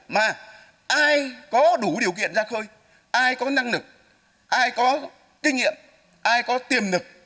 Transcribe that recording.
mà ai có đủ điều kiện ra khơi ai có năng lực ai có kinh nghiệm ai có tiềm lực